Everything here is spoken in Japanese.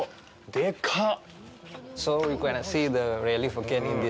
でかっ！